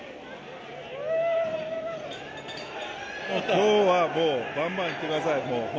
今日はもうばんばんいってください。